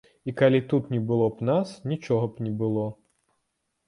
І калі тут не было б нас, нічога б не было.